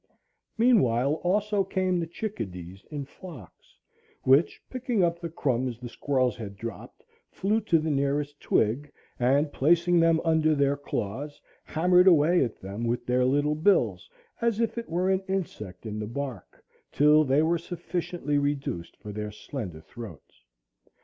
Meanwhile also came the chickadees in flocks, which, picking up the crumbs the squirrels had dropped, flew to the nearest twig, and, placing them under their claws, hammered away at them with their little bills, as if it were an insect in the bark, till they were sufficiently reduced for their slender throats.